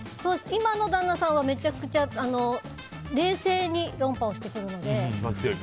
今の旦那さんはむちゃくちゃ冷静に論破をしてくるので。